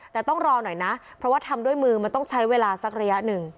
แต่ต้องรอหน่อยนะเพราะว่าทำด้วยมือมันต้องใช้เวลาสักระยะหนึ่ง